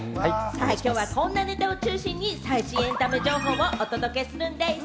きょうはこんなネタを中心に最新エンタメ情報をお届けするんでぃす。